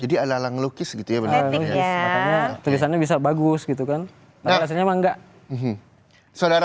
jadi ala alang lukis gitu ya